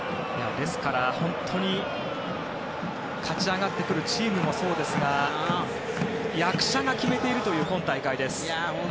ですから勝ち上がってくるチームもそうですが役者が決めているという今大会です。